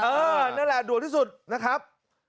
นั่นแหละด่วนที่สุดนะครับ